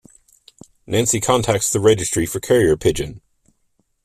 Nancy contacts the registry for carrier pigeon.